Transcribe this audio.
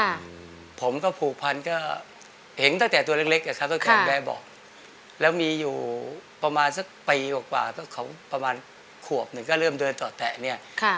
อเจมส์ผมก็ผูกพันก็เห็นตั้งแต่ตัวเล็กค่ะตั้งแต่แม่บอกแล้วมีอยู่ประมาณสักปีประมาณขวบหนึ่งก็เริ่มเดินต่อแตะเนี่ย